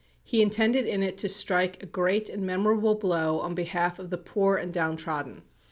He intended in it to strike a great and memorable blow on behalf of the poor and down trodden.